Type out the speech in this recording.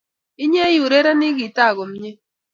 inye iurereni gitaa komie